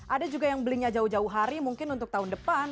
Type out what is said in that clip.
ada juga yang belinya jauh jauh hari mungkin untuk tahun depan